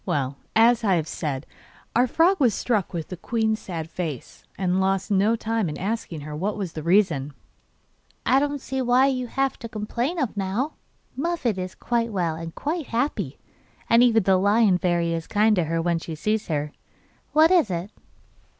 Well, as I have said, our frog was struck with the queen's sad face, and lost no time in asking her what was the reason. 'I don't see what you have to complain of now; Muffette is quite well and quite happy, and even the Lion Fairy is kind to her when she sees her. What is it?